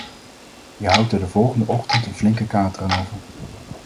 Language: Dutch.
Je houdt er de volgende ochtend een flinke kater aan over.